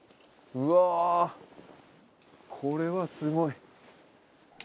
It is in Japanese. うわー、これはすごい。